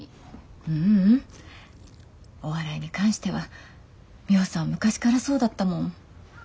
ううんお笑いに関してはミホさんは昔からそうだったもん。